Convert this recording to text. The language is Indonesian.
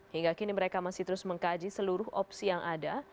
hingga kini mereka masih terus mengkaji seluruh opsi yang ada